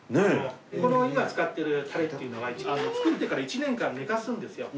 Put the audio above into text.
この今使ってるタレっていうのがうち作ってから１年間寝かすんですよ。